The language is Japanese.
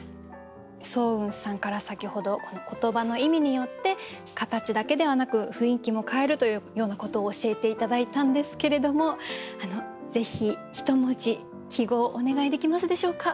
双雲さんから先ほど言葉の意味によって形だけではなく雰囲気も変えるというようなことを教えて頂いたんですけれどもぜひ１文字揮毫お願いできますでしょうか。